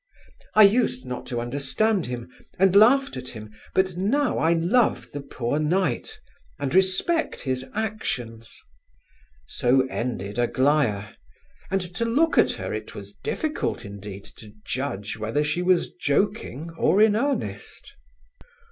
I used not to understand him, and laughed at him, but now I love the 'poor knight,' and respect his actions." So ended Aglaya; and, to look at her, it was difficult, indeed, to judge whether she was joking or in earnest.